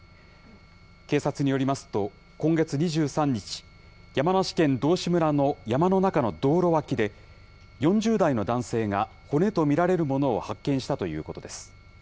警察によりますと、今月２３日、山梨県道志村の山の中の道路脇で、４０代の男性が骨と見られるものを発見したということです。